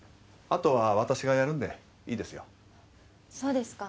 あとは私がやるんでいいですよ。